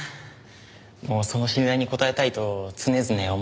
もうその信頼に応えたいと常々思っていますよ。